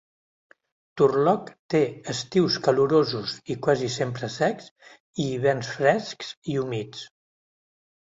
Turlock té estius calorosos i quasi sempre secs i hiverns frescs i humits.